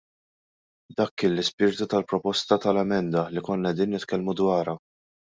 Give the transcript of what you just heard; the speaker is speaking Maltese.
Dak kien l-ispirtu tal-proposta tal-emenda li konna qegħdin nitkellmu dwarha.